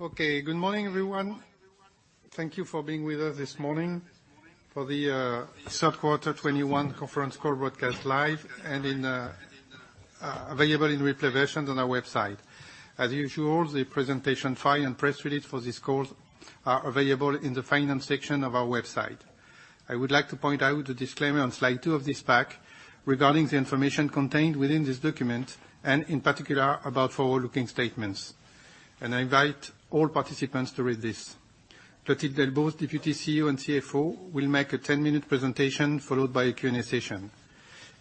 Okay. Good morning, everyone. Thank you for being with us this morning for the third quarter 2021 conference call broadcast live and available in replay versions on our website. As usual, the presentation file and press release for this call are available in the finance section of our website. I would like to point out the disclaimer on slide two of this pack regarding the information contained within this document, and in particular, about forward-looking statements, and I invite all participants to read this. Clotilde Delbos, Deputy CEO and CFO, will make a 10-minute presentation followed by a Q&A session.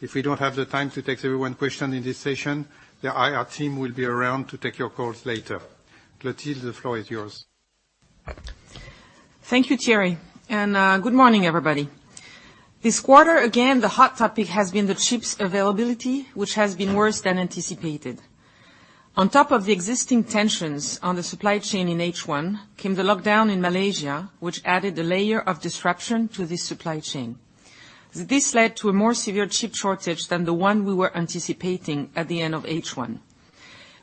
If we don't have the time to take everyone's question in this session, the IR team will be around to take your calls later. Clotilde, the floor is yours. Thank you, Thierry, and good morning, everybody. This quarter, again, the hot topic has been the chips availability, which has been worse than anticipated. On top of the existing tensions on the supply chain in H1, came the lockdown in Malaysia, which added a layer of disruption to this supply chain. This led to a more severe chip shortage than the one we were anticipating at the end of H1.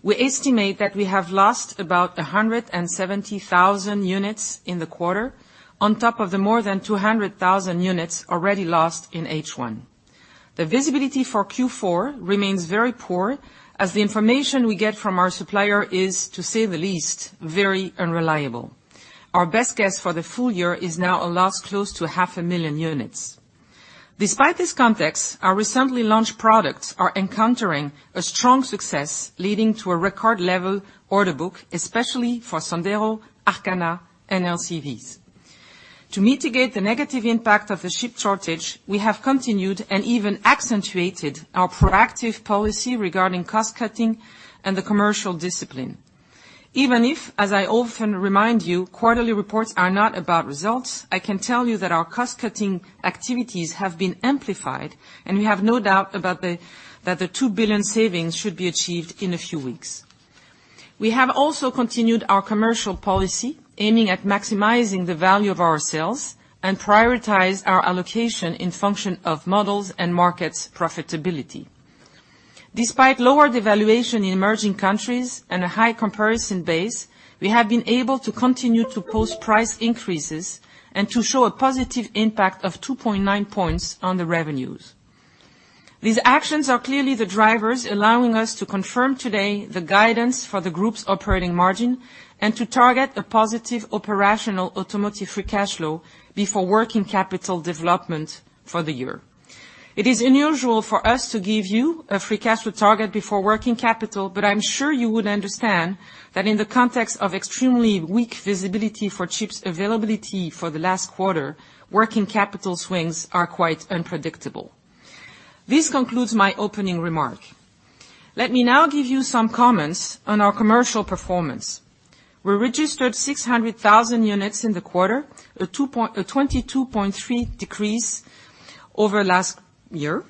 We estimate that we have lost about 170,000 units in the quarter, on top of the more than 200,000 units already lost in H1. The visibility for Q4 remains very poor, as the information we get from our supplier is, to say the least, very unreliable. Our best guess for the full year is now a loss close to 500,000 units. Despite this context, our recently launched products are encountering a strong success, leading to a record-level order book, especially for Sandero, Arkana, and LCVs. To mitigate the negative impact of the chip shortage, we have continued and even accentuated our proactive policy regarding cost-cutting and the commercial discipline. Even if, as I often remind you, quarterly reports are not about results, I can tell you that our cost-cutting activities have been amplified, and we have no doubt that the 2 billion savings should be achieved in a few weeks. We have also continued our commercial policy, aiming at maximizing the value of our sales and prioritize our allocation in function of models and markets profitability. Despite lower devaluation in emerging countries and a high comparison base, we have been able to continue to post price increases and to show a positive impact of 2.9 points on the revenues. These actions are clearly the drivers allowing us to confirm today the guidance for the group's operating margin and to target a positive operational automotive free cash flow before working capital development for the year. It is unusual for us to give you a free cash flow target before working capital. I'm sure you would understand that in the context of extremely weak visibility for chips availability for the last quarter, working capital swings are quite unpredictable. This concludes my opening remark. Let me now give you some comments on our commercial performance. We registered 600,000 units in the quarter, a 22.3% decrease over last year.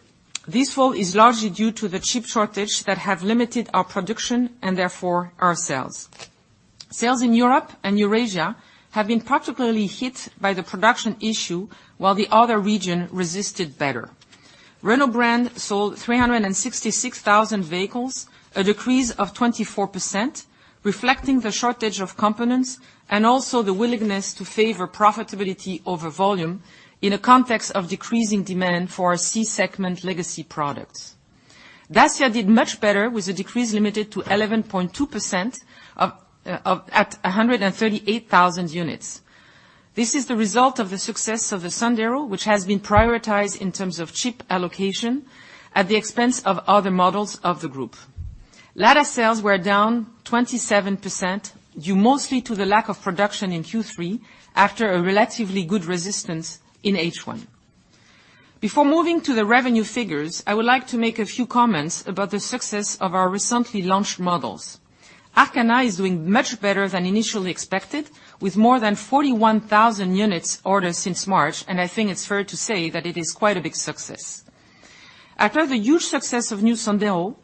This fall is largely due to the chip shortage that have limited our production, and therefore, our sales. Sales in Europe and Eurasia have been particularly hit by the production issue, while the other region resisted better. Renault brand sold 366,000 vehicles, a decrease of 24%, reflecting the shortage of components and also the willingness to favor profitability over volume in a context of decreasing demand for C-segment legacy products. Dacia did much better, with a decrease limited to 11.2% at 138,000 units. This is the result of the success of the Sandero, which has been prioritized in terms of chip allocation at the expense of other models of the group. Lada sales were down 27%, due mostly to the lack of production in Q3 after a relatively good resistance in H1. Before moving to the revenue figures, I would like to make a few comments about the success of our recently launched models. Arkana is doing much better than initially expected, with more than 41,000 units ordered since March, and I think it's fair to say that it is quite a big success. After the huge success of new Sandero,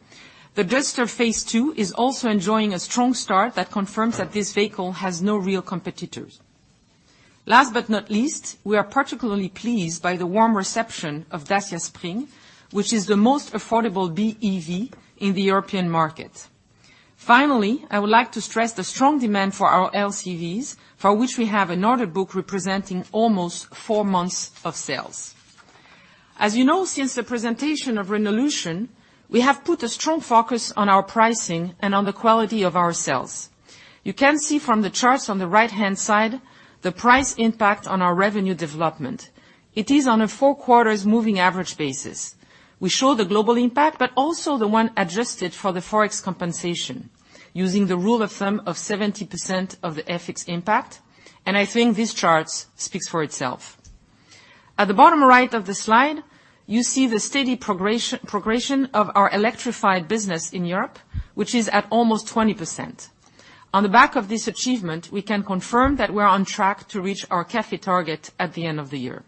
the Duster phase II is also enjoying a strong start that confirms that this vehicle has no real competitors. Last but not least, we are particularly pleased by the warm reception of Dacia Spring, which is the most affordable BEV in the European market. Finally, I would like to stress the strong demand for our LCVs, for which we have an order book representing almost four months of sales. As you know, since the presentation of Renaulution, we have put a strong focus on our pricing and on the quality of our sales. You can see from the charts on the right-hand side, the price impact on our revenue development. It is on a four quarters moving average basis. We show the global impact, but also the one adjusted for the Forex compensation, using the rule of thumb of 70% of the FX impact. I think this chart speaks for itself. At the bottom right of the slide, you see the steady progression of our electrified business in Europe, which is at almost 20%. On the back of this achievement, we can confirm that we're on track to reach our CAFE target at the end of the year.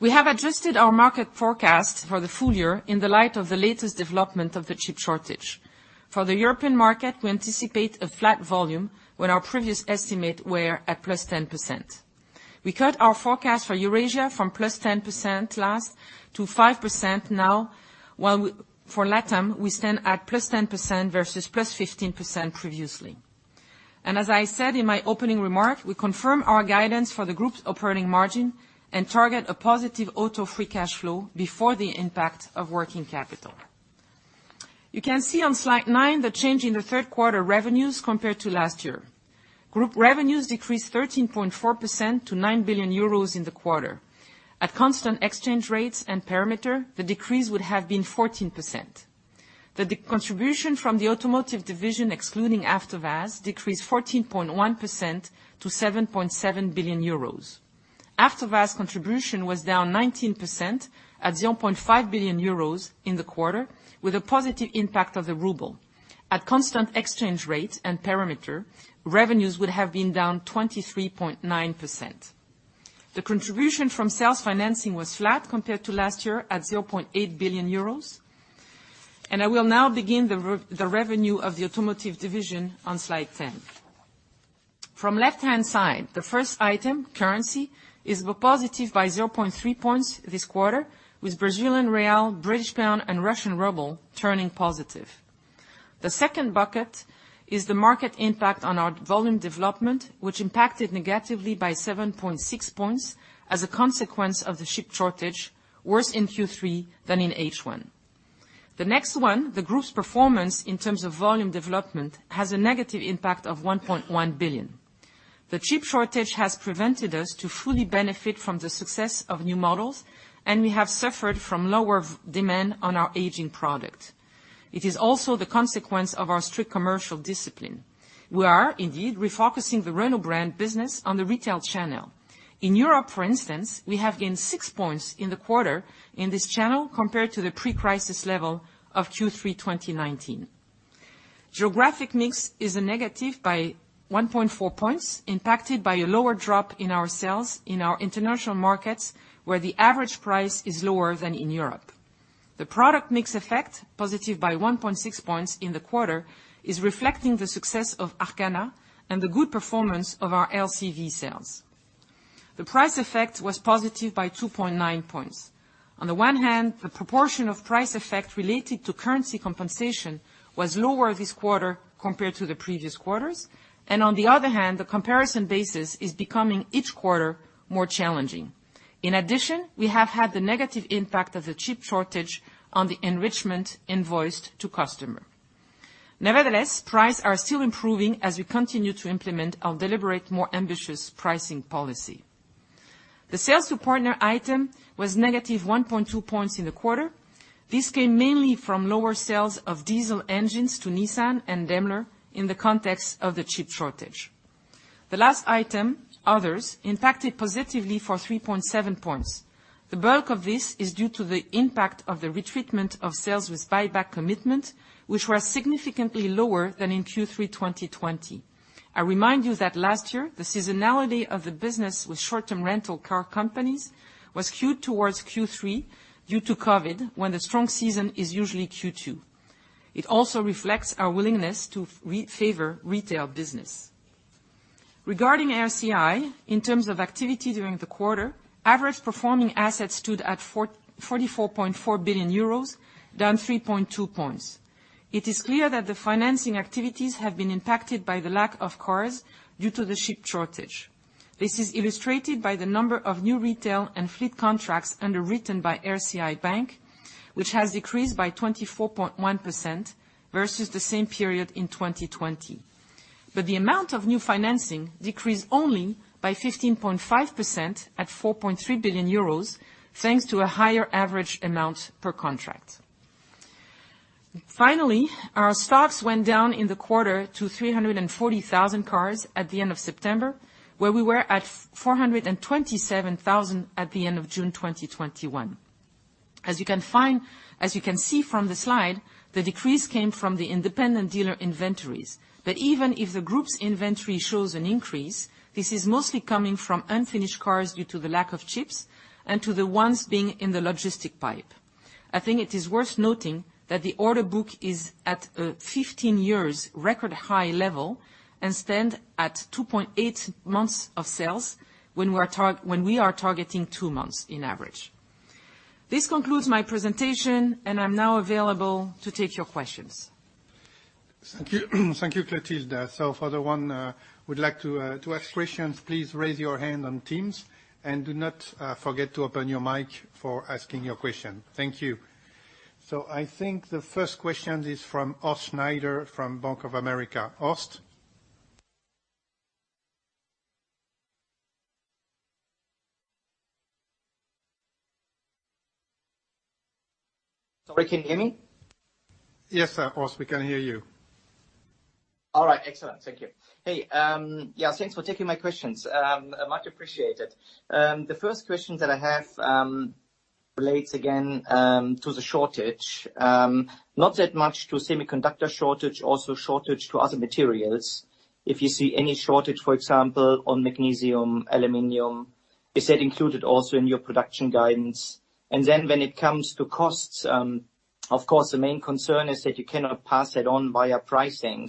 We have adjusted our market forecast for the full year in the light of the latest development of the chip shortage. For the European market, we anticipate a flat volume when our previous estimate were at +10%. We cut our forecast for Eurasia from +10% last, to +5% now, while for LATAM, we stand at +10% versus +15% previously. As I said in my opening remark, we confirm our guidance for the group's operating margin and target a positive auto free cash flow before the impact of working capital. You can see on slide nine the change in the third quarter revenues compared to last year. Group revenues decreased 13.4% to 9 billion euros in the quarter. At constant exchange rates and perimeter, the decrease would have been 14%. The contribution from the automotive division, excluding AVTOVAZ, decreased 14.1% to 7.7 billion euros. AVTOVAZ contribution was down 19% at 0.5 billion euros in the quarter, with a positive impact of the ruble. At constant exchange rate and perimeter, revenues would have been down 23.9%. The contribution from sales financing was flat compared to last year at 0.8 billion euros. I will now begin the revenue of the automotive division on slide 10. From left-hand side, the first item, currency, is positive by 0.3 points this quarter, with Brazilian real, British pound, and Russian ruble turning positive. The second bucket is the market impact on our volume development, which impacted negatively by 7.6 points as a consequence of the chip shortage, worse in Q3 than in H1. The next one, the group's performance in terms of volume development, has a negative impact of 1.1 billion. The chip shortage has prevented us to fully benefit from the success of new models, and we have suffered from lower demand on our aging product. It is also the consequence of our strict commercial discipline. We are indeed refocusing the Renault brand business on the retail channel. In Europe, for instance, we have gained 6 points in the quarter in this channel compared to the pre-crisis level of Q3 2019. Geographic mix is -1.4 points, impacted by a lower drop in our sales in our international markets, where the average price is lower than in Europe. The product mix effect, positive by 1.6 points in the quarter, is reflecting the success of Arkana and the good performance of our LCV sales. The price effect was positive by 2.9 points. On the one hand, the proportion of price effect related to currency compensation was lower this quarter compared to the previous quarters. On the other hand, the comparison basis is becoming, each quarter, more challenging. In addition, we have had the negative impact of the chip shortage on the enrichment invoiced to customer. Nevertheless, price are still improving as we continue to implement our deliberate, more ambitious pricing policy. The sales-to-partner item was -1.2 points in the quarter. This came mainly from lower sales of diesel engines to Nissan and Daimler in the context of the chip shortage. The last item, others, impacted positively for 3.7 points. The bulk of this is due to the impact of the retreatment of sales with buyback commitment, which were significantly lower than in Q3 2020. I remind you that last year, the seasonality of the business with short-term rental car companies was queued towards Q3 due to COVID, when the strong season is usually Q2. It also reflects our willingness to favor retail business. Regarding RCI, in terms of activity during the quarter, average performing assets stood at 44.4 billion euros, down 3.2 points. It is clear that the financing activities have been impacted by the lack of cars due to the chip shortage. This is illustrated by the number of new retail and fleet contracts underwritten by RCI Bank, which has decreased by 24.1% versus the same period in 2020. The amount of new financing decreased only by 15.5% at 4.3 billion euros, thanks to a higher average amount per contract. Finally, our stocks went down in the quarter to 340,000 cars at the end of September, where we were at 427,000 at the end of June 2021. As you can see from the slide, the decrease came from the independent dealer inventories. Even if the group's inventory shows an increase, this is mostly coming from unfinished cars due to the lack of chips and to the ones being in the logistic pipe. I think it is worth noting that the order book is at a 15 years record high level and stand at 2.8 months of sales when we are targeting two months in average. This concludes my presentation, and I'm now available to take your questions. Thank you, Clotilde. For the one who would like to ask questions, please raise your hand on Teams, and do not forget to open your mic for asking your question. Thank you. I think the first question is from Horst Schneider from Bank of America. Horst? Sorry, can you hear me? Yes, Horst, we can hear you. All right. Excellent. Thank you. Hey, yeah, thanks for taking my questions. Much appreciated. The first question that I have relates again to the shortage. Not that much to semiconductor shortage, also shortage to other materials. If you see any shortage, for example, on magnesium, aluminum, is that included also in your production guidance? When it comes to costs, of course, the main concern is that you cannot pass it on via pricing.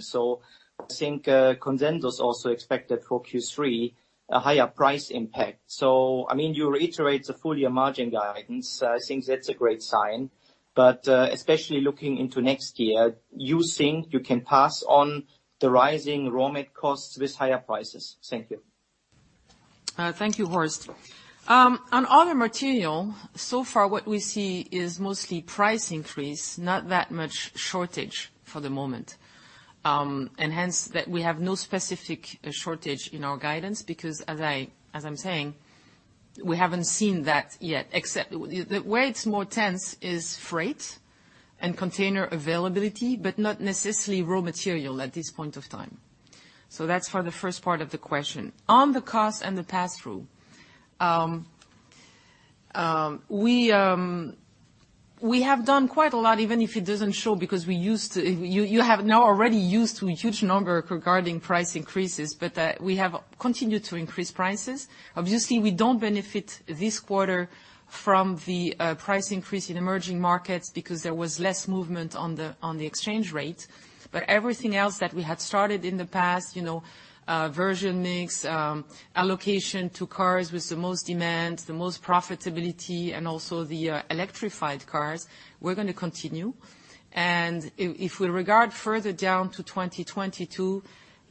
I think consensus is also expected for Q3, a higher price impact. You reiterate the full-year margin guidance. I think that's a great sign. Especially looking into next year, you think you can pass on the rising raw material costs with higher prices? Thank you. Thank you, Horst. On raw material, so far what we see is mostly price increase, not that much shortage for the moment. Hence, that we have no specific shortage in our guidance because as I'm saying, we haven't seen that yet, except where it's more tense is freight and container availability, but not necessarily raw material at this point of time. That's for the first part of the question. On the cost and the passthrough, we have done quite a lot, even if it doesn't show, because you have now already used to a huge number regarding price increases. We have continued to increase prices. Obviously, we don't benefit this quarter from the price increase in emerging markets because there was less movement on the exchange rate. Everything else that we had started in the past, version mix, allocation to cars with the most demand, the most profitability, and also the electrified cars, we're going to continue. If we regard further down to 2022,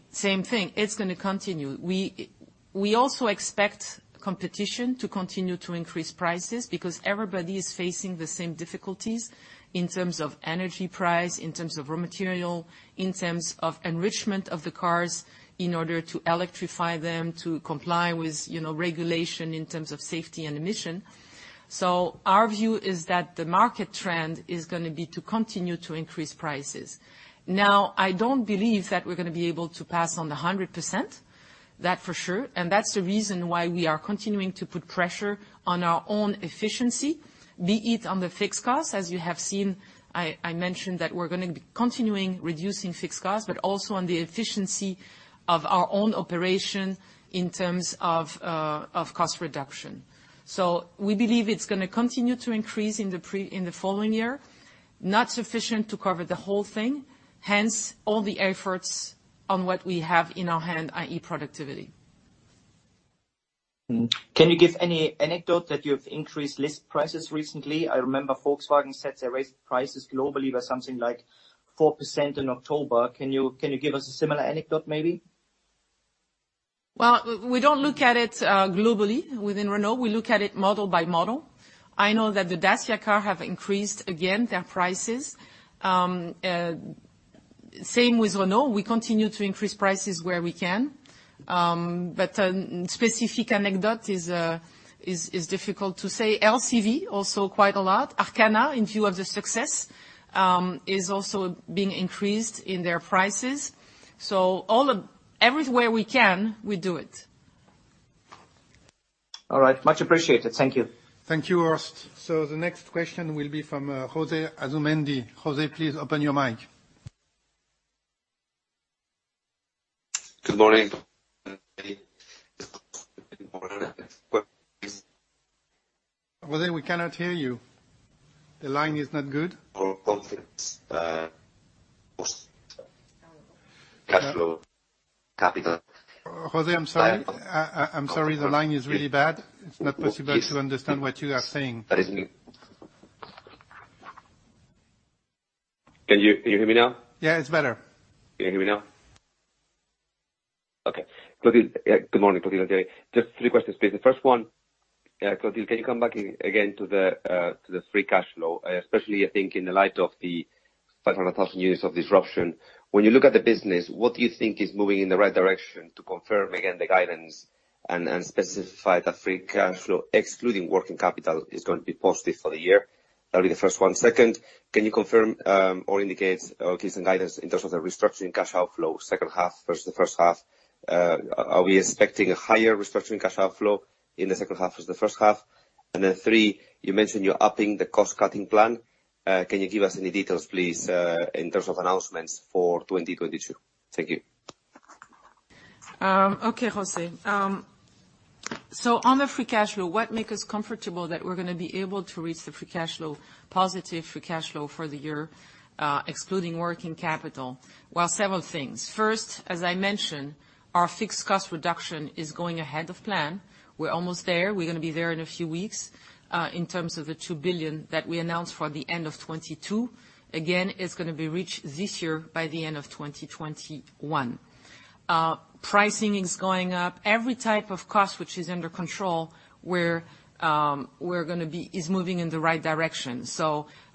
same thing, it's going to continue. We also expect competition to continue to increase prices because everybody is facing the same difficulties in terms of energy price, in terms of raw material, in terms of enrichment of the cars in order to electrify them to comply with regulation in terms of safety and emission. Our view is that the market trend is going to be to continue to increase prices. Now, I don't believe that we're going to be able to pass on 100%, that for sure. That's the reason why we are continuing to put pressure on our own efficiency, be it on the fixed costs, as you have seen, I mentioned that we're going to be continuing reducing fixed costs, but also on the efficiency of our own operation in terms of cost reduction. We believe it's going to continue to increase in the following year, not sufficient to cover the whole thing, hence all the efforts on what we have in our hand, i.e. productivity. Can you give any anecdote that you have increased list prices recently? I remember Volkswagen said they raised prices globally by something like 4% in October. Can you give us a similar anecdote, maybe? Well, we don't look at it globally within Renault. We look at it model by model. I know that the Dacia car have increased, again, their prices. Same with Renault. We continue to increase prices where we can. Specific anecdote is difficult to say. LCV also quite a lot. Arkana, in view of the success, is also being increased in their prices. Everywhere we can, we do it. All right. Much appreciated. Thank you. Thank you, Horst. The next question will be from José Asumendi. José, please open your mic. Good morning. José, we cannot hear you. The line is not good. For confidence. Cash flow, capital. José, I'm sorry. The line is really bad. It's not possible to understand what you are saying. Can you hear me now? Yeah, it's better. Can you hear me now? Okay. Good morning, Clotilde and Thierry. Three questions, please. The first one, Clotilde, can you come back again to the free cash flow, especially, I think in the light of the 500,000 units of disruption. When you look at the business, what do you think is moving in the right direction to confirm again, the guidance and specify the free cash flow, excluding working capital, is going to be positive for the year? That'll be the first one. Can you confirm, or indicate, or give some guidance in terms of the restructuring cash outflow second half versus the first half? Are we expecting a higher restructuring cash outflow in the second half as the first half? Third, you mentioned you're upping the cost-cutting plan. Can you give us any details, please, in terms of announcements for 2022? Thank you. Okay, José. On the free cash flow, what make us comfortable that we're going to be able to reach the free cash flow, positive free cash flow for the year, excluding working capital? Well, several things. First, as I mentioned, our fixed cost reduction is going ahead of plan. We're almost there. We're going to be there in a few weeks, in terms of the 2 billion that we announced for the end of 2022. Again, it's going to be reached this year by the end of 2021. Pricing is going up. Every type of cost which is under control is moving in the right direction.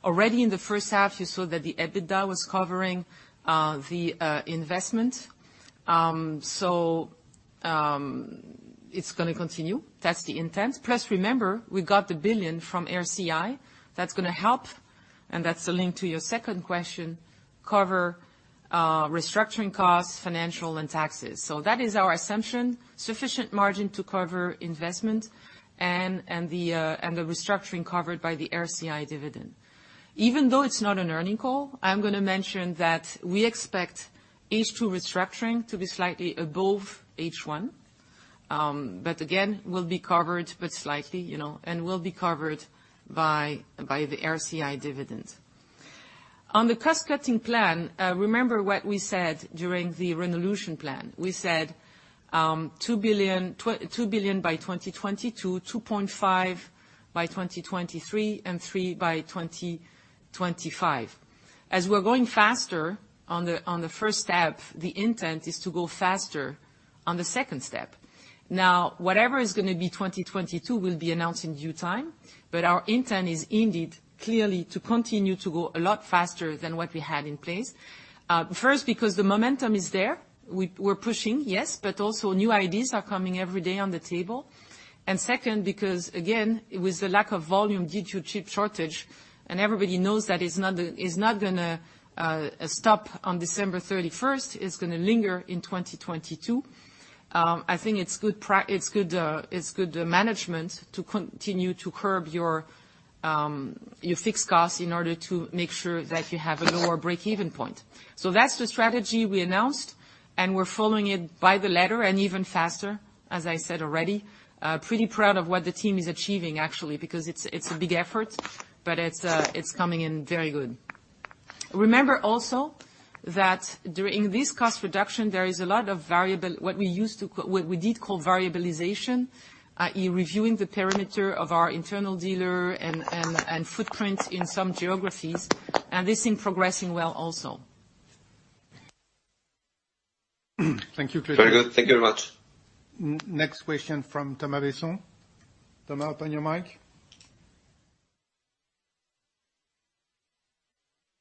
Already in the first half, you saw that the EBITDA was covering the investment. It's going to continue. That's the intent. Plus, remember, we got the 1 billion from RCI. That's going to help, and that's a link to your second question, cover restructuring costs, financial, and taxes. That is our assumption, sufficient margin to cover investment and the restructuring covered by the RCI dividend. Even though it's not an earning call, I'm going to mention that we expect H2 restructuring to be slightly above H1. Again, will be covered, but slightly, and will be covered by the RCI dividend. On the cost-cutting plan, remember what we said during the Renaulution plan. We said 2 billion by 2022, 2.5 billion by 2023, and 3 billion by 2025. As we're going faster on the first step, the intent is to go faster on the second step. Whatever is going to be 2022 will be announced in due time, our intent is indeed, clearly, to continue to go a lot faster than what we had in place. First, because the momentum is there. We're pushing, yes, but also new ideas are coming every day on the table. Second, because again, with the lack of volume due to chip shortage, and everybody knows that it's not going to stop on December 31st, it's going to linger in 2022. I think it's good management to continue to curb your fixed costs in order to make sure that you have a lower breakeven point. That's the strategy we announced, and we're following it by the letter, and even faster, as I said already. Pretty proud of what the team is achieving actually, because it's a big effort, but it's coming in very good. Remember also, that during this cost reduction, there is a lot of what we did call variabilization, in reviewing the perimeter of our internal dealer and footprint in some geographies, and this is progressing well also. Thank you, Clotilde. Very good. Thank you very much. Next question from Thomas Besson. Thomas, open your mic. Thank you.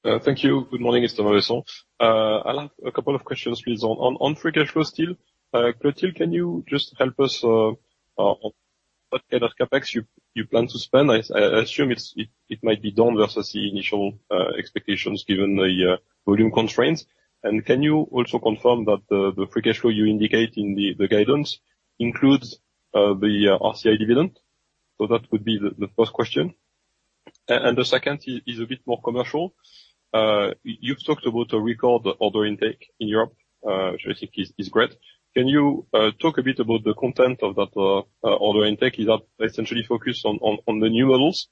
Good morning, it's Thomas Besson. I'll have a couple of questions please. On free cash flow still, Clotilde, can you just help us on what kind of CapEx you plan to spend? I assume it might be down versus the initial expectations given the volume constraints. Can you also confirm that the free cash flow you indicate in the guidance includes the RCI dividend? That would be the first question. The second is a bit more commercial. You've talked about a record order intake in Europe, which I think is great. Can you talk a bit about the content of that order intake? Is that essentially focused on the new models?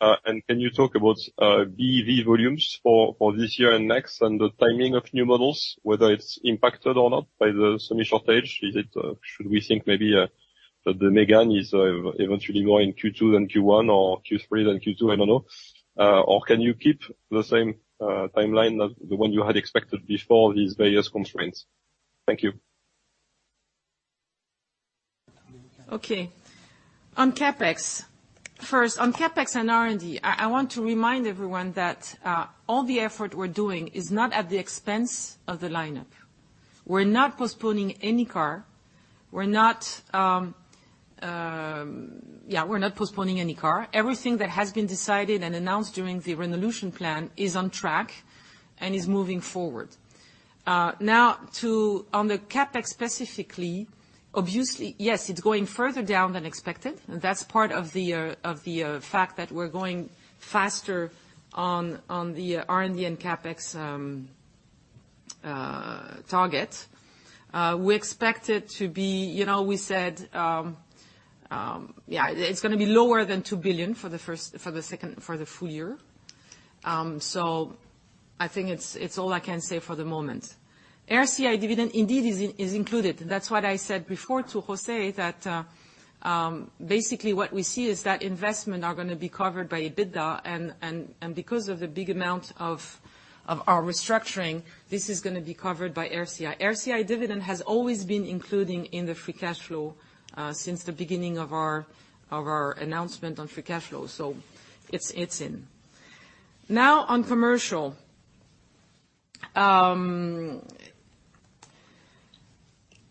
Can you talk about BEV volumes for this year and next year, and the timing of new models, whether it's impacted or not by the semi shortage? Should we think maybe that the Mégane is eventually more in Q2 than Q1 or Q3 than Q2? I don't know. Or can you keep the same timeline as the one you had expected before these various constraints? Thank you. Okay. On CapEx. First, on CapEx and R&D, I want to remind everyone that all the effort we're doing is not at the expense of the lineup. We're not postponing any car. Everything that has been decided and announced during the Renaulution plan is on track and is moving forward. Now, on the CapEx specifically, obviously, yes, it's going further down than expected. That's part of the fact that we're going faster on the R&D and CapEx target. We said it's going to be lower than 2 billion for the full year. I think it's all I can say for the moment. RCI dividend indeed is included. That's what I said before to José, that basically what we see is that investment are going to be covered by EBITDA, and because of the big amount of our restructuring, this is going to be covered by RCI. RCI dividend has always been included in the free cash flow, since the beginning of our announcement on free cash flow. It's in. On commercial.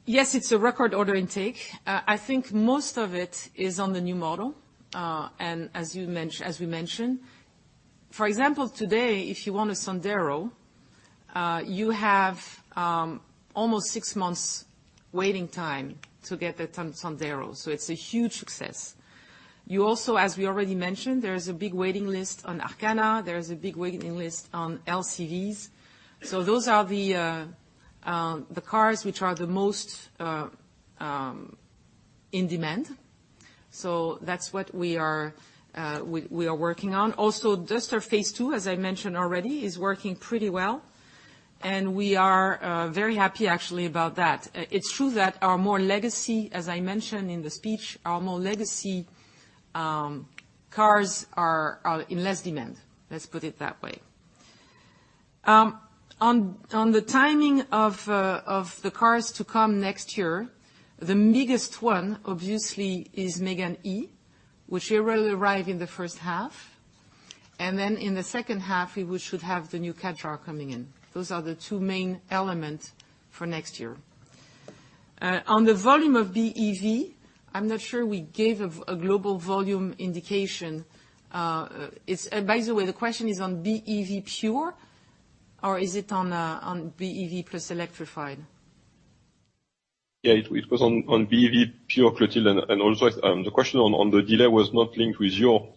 It's a record order intake. I think most of it is on the new model, and as we mentioned. For example, today, if you want a Sandero, you have almost six months waiting time to get the Sandero. It's a huge success. You also, as we already mentioned, there is a big waiting list on Arkana. There is a big waiting list on LCVs. Those are the cars which are the most in demand. That's what we are working on. Duster phase II, as I mentioned already, is working pretty well. We are very happy actually about that. It's true that our more legacy, as I mentioned in the speech, our more legacy cars are in less demand. Let's put it that way. On the timing of the cars to come next year, the biggest one obviously is Mégane E, which will arrive in the first half. Then in the second half, we should have the new Kadjar coming in. Those are the two main elements for next year. On the volume of BEV, I'm not sure we gave a global volume indication. By the way, the question is on BEV pure? Is it on BEV plus electrified? Yeah. It was on BEV pure, Clotilde, and also, the question on the delay was not linked with your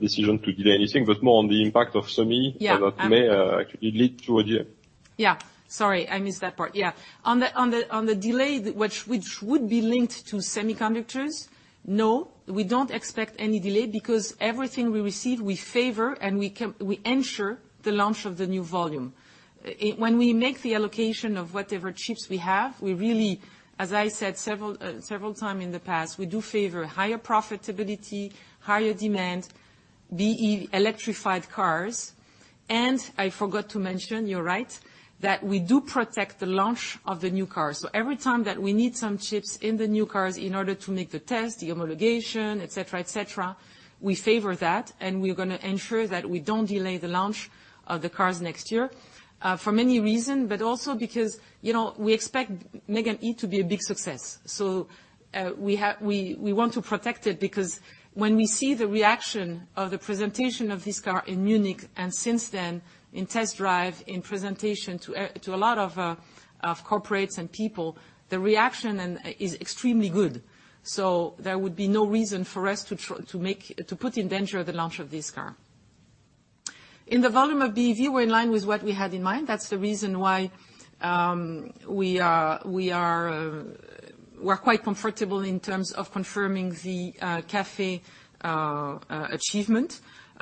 decision to delay anything, but more on the impact of semi product- Yeah.... that may actually lead to a delay. Yeah. Sorry, I missed that part. Yeah. On the delay, which would be linked to semiconductors, no, we don't expect any delay because everything we receive, we favor, and we ensure the launch of the new volume. When we make the allocation of whatever chips we have, we really, as I said several times in the past, we do favor higher profitability, higher demand, BEV electrified cars. I forgot to mention, you're right, that we do protect the launch of the new car. Every time that we need some chips in the new cars in order to make the test, the homologation, et cetera, we favor that, and we're going to ensure that we don't delay the launch of the cars next year. For many reasons, but also because, we expect Mégane E to be a big success. We want to protect it because when we see the reaction of the presentation of this car in Munich and since then in test drive, in presentation to a lot of corporates and people, the reaction is extremely good. There would be no reason for us to put in danger the launch of this car. In the volume of BEV, we're in line with what we had in mind. That's the reason why, we are quite comfortable in terms of confirming the CAFE achievement.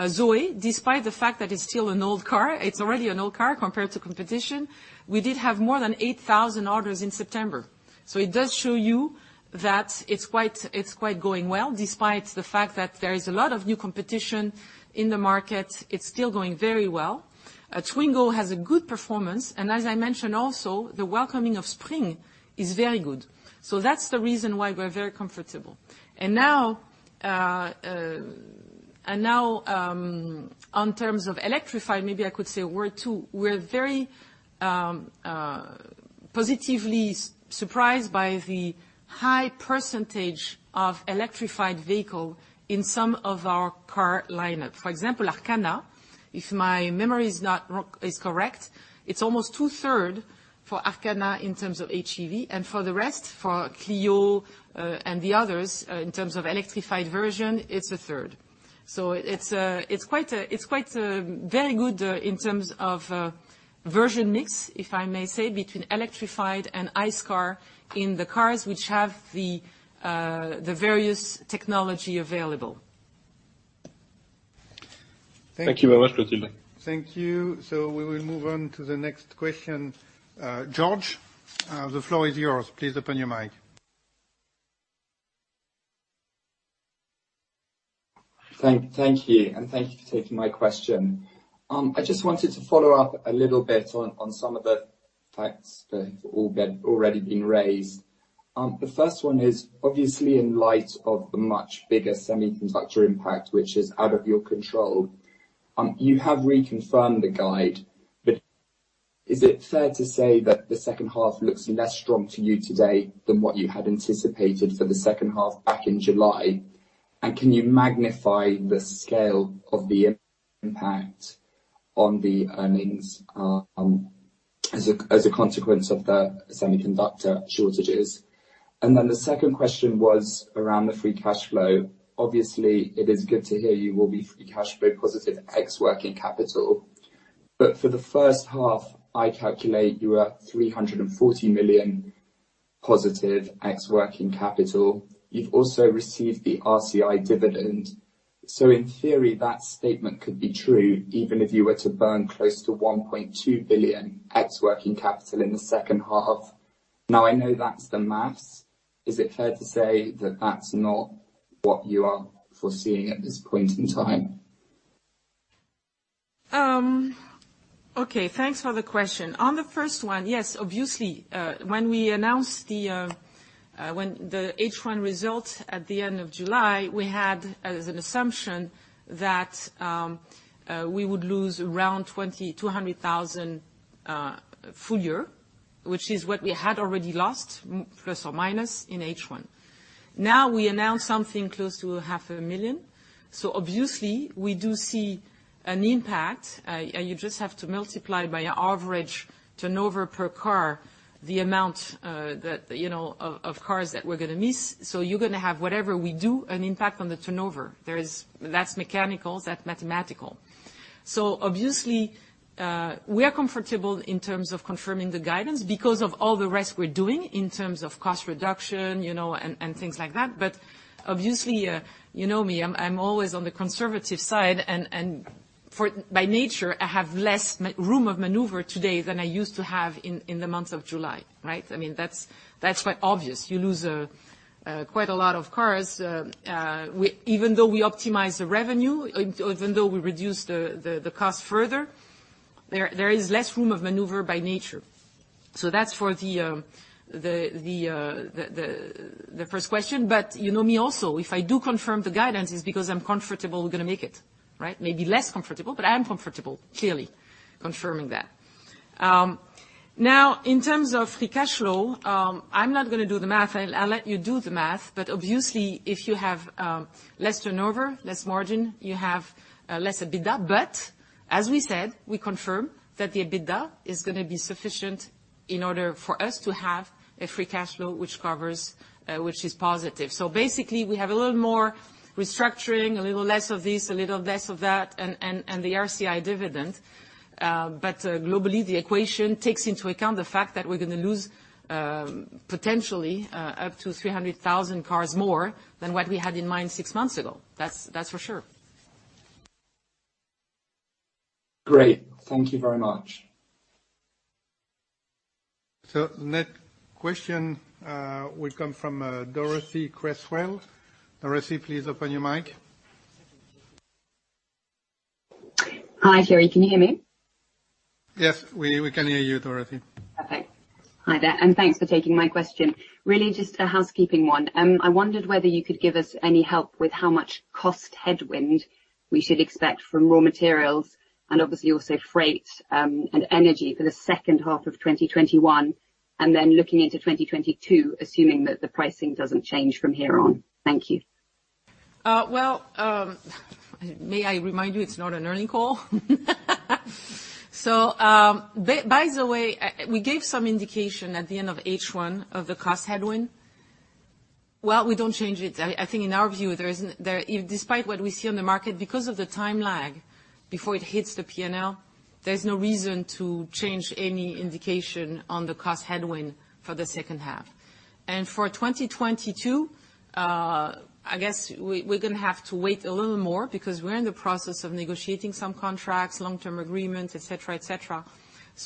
Zoe, despite the fact that it's still an old car, it's already an old car compared to competition. We did have more than 8,000 orders in September. It does show you that it's quite going well. Despite the fact that there is a lot of new competition in the market, it's still going very well. Twingo has a good performance, as I mentioned also, the welcoming of Spring is very good. That's the reason why we're very comfortable. Now, on terms of electrified, maybe I could say a word, too. We're very positively surprised by the high percentage of electrified vehicle in some of our car lineup. For example, Arkana, if my memory is correct, it's almost two-third for Arkana in terms of HEV. For the rest, for Clio, and the others, in terms of electrified version, it's a third. It's quite very good in terms of version mix, if I may say, between electrified and ICE car in the cars which have the various technology available. Thank you very much, Clotilde. Thank you. We will move on to the next question. George, the floor is yours. Please open your mic. Thank you, and thank you for taking my question. I just wanted to follow up a little bit on some of the points that have already been raised. The first one is, obviously, in light of the much bigger semiconductor impact, which is out of your control, you have reconfirmed the guide, but is it fair to say that the second half looks less strong to you today than what you had anticipated for the second half back in July? Can you magnify the scale of the impact on the earnings, as a consequence of the semiconductor shortages? The second question was around the free cash flow. Obviously, it is good to hear you will be free cash flow positive ex working capital, but for the first half, I calculate you were 340 million positive ex working capital. You've also received the RCI dividend. In theory, that statement could be true even if you were to burn close to 1.2 billion ex working capital in the second half. Now, I know that's the math. Is it fair to say that that's not what you are foreseeing at this point in time? Okay, thanks for the question. On the first one, yes, obviously, when we announced the H1 results at the end of July, we had as an assumption that we would lose around 200,000 full year, which is what we had already lost, plus or minus, in H1. Now, we announce something close to 500,000. Obviously, we do see an impact. You just have to multiply by your average turnover per car, the amount of cars that we're going to miss. You're going to have, whatever we do, an impact on the turnover. That's mechanical. That's mathematical. Obviously, we are comfortable in terms of confirming the guidance because of all the rest we're doing in terms of cost reduction, and things like that. Obviously, you know me, I'm always on the conservative side, and by nature, I have less room of maneuver today than I used to have in the month of July, right? That's quite obvious. You lose quite a lot of cars. Even though we optimize the revenue, even though we reduce the cost further, there is less room of maneuver by nature. That's for the first question. You know me also, if I do confirm the guidance, it's because I'm comfortable we're going to make it, right? Maybe less comfortable, but I am comfortable, clearly, confirming that. Now, in terms of free cash flow, I'm not going to do the math. I'll let you do the math. Obviously, if you have less turnover, less margin, you have less EBITDA. As we said, we confirm that the EBITDA is going to be sufficient in order for us to have a free cash flow which is positive. Basically, we have a little more restructuring, a little less of this, a little less of that, and the RCI dividend. Globally, the equation takes into account the fact that we're going to lose potentially up to 300,000 cars more than what we had in mind six months ago. That's for sure. Great. Thank you very much. Next question will come from Dorothee Cresswell. Dorothee, please open your mic. Hi, Thierry. Can you hear me? Yes, we can hear you, Dorothee. Okay. Hi there, thanks for taking my question. Really just a housekeeping one. I wondered whether you could give us any help with how much cost headwind we should expect from raw materials and obviously also freight and energy for the second half of 2021. Looking into 2022, assuming that the pricing doesn't change from here on. Thank you. May I remind you, it's not an earnings call. By the way, we gave some indication at the end of H1 of the cost headwind. We don't change it. I think in our view, despite what we see on the market, because of the time lag before it hits the P&L, there's no reason to change any indication on the cost headwind for the second half. For 2022, I guess we're going to have to wait a little more because we're in the process of negotiating some contracts, long-term agreements, et cetera.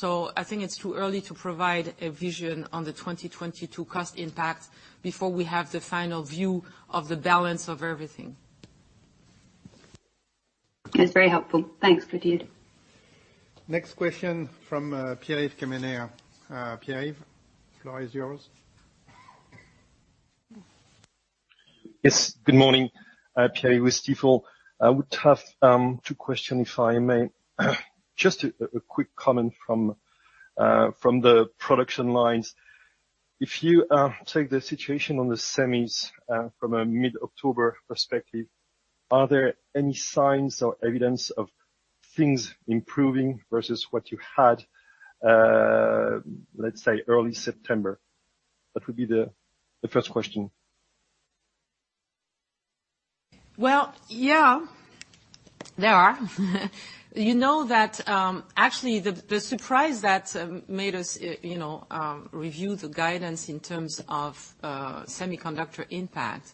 I think it's too early to provide a vision on the 2022 cost impact before we have the final view of the balance of everything. It's very helpful. Thanks, Clotilde. Next question from Pierre Quemener. Pierre, the floor is yours. Yes, good morning. Pierre with Stifel. I would have two question, if I may. Just a quick comment from the production lines. If you take the situation on the semis from a mid-October perspective, are there any signs or evidence of things improving versus what you had, let's say early September? That would be the first question. Well, yeah. There are. You know that actually the surprise that made us review the guidance in terms of semiconductor impact,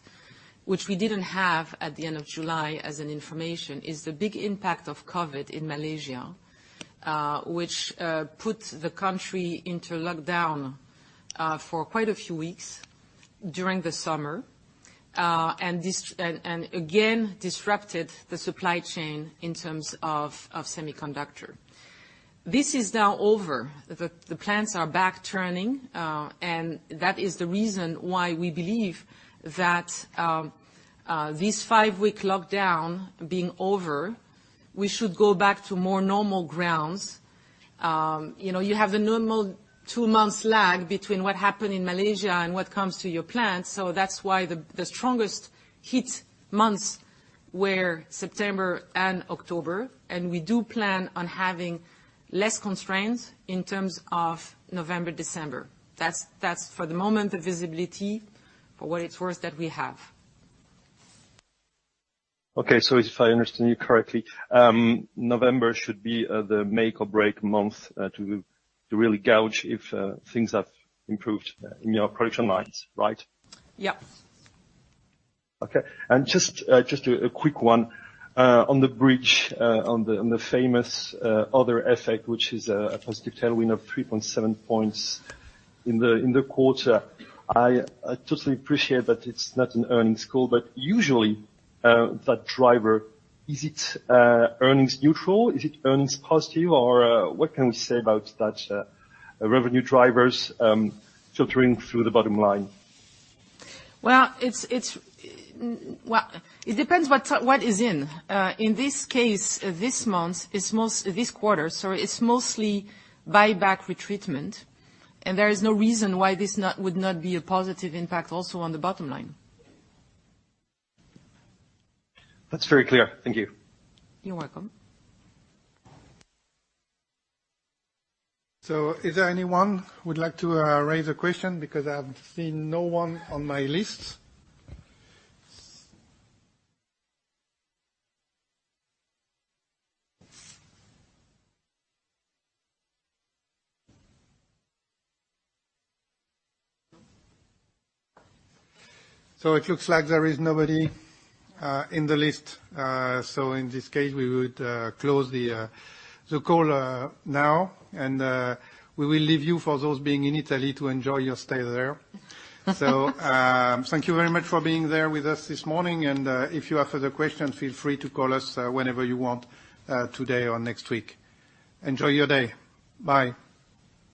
which we didn't have at the end of July as an information, is the big impact of COVID in Malaysia, which put the country into lockdown for quite a few weeks during the summer. Again, disrupted the supply chain in terms of semiconductor. This is now over. The plants are back turning. That is the reason why we believe that this five-week lockdown being over, we should go back to more normal grounds. You have a normal two months lag between what happened in Malaysia and what comes to your plants. That's why the strongest hit months were September and October. We do plan on having less constraints in terms of November, December. That's for the moment, the visibility for what it's worth that we have. Okay. If I understand you correctly, November should be the make-or-break month to really gauge if things have improved in your production lines, right? Yep. Okay. Just a quick one, on the bridge, on the famous other effect, which is a positive tailwind of 3.7 points in the quarter. I totally appreciate that it's not an earnings call, but usually, that driver, is it earnings neutral? Is it earnings positive? What can we say about that revenue drivers filtering through the bottom line? Well, it depends what is in. In this case, this quarter, it's mostly buyback retreatment. There is no reason why this would not be a positive impact also on the bottom line. That's very clear. Thank you. You're welcome. Is there anyone who would like to raise a question? Because I have seen no one on my list. It looks like there is nobody in the list. In this case, we would close the call now, and we will leave you, for those being in Italy, to enjoy your stay there. Thank you very much for being there with us this morning, and if you have further questions, feel free to call us whenever you want, today or next week. Enjoy your day. Bye.